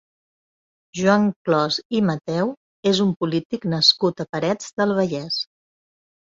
Joan Clos i Matheu és un polític nascut a Parets del Vallès.